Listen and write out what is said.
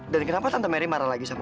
dan kenapa tante meri marah lagi soalnya